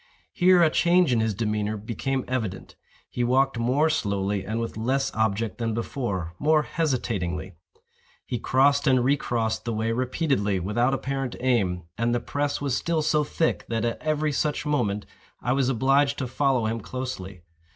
Here a change in his demeanor became evident. He walked more slowly and with less object than before—more hesitatingly. He crossed and re crossed the way repeatedly without apparent aim; and the press was still so thick that, at every such movement, I was obliged to follow him closely.